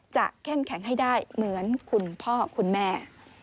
เข้มแข็งให้ได้เหมือนคุณพ่อคุณแม่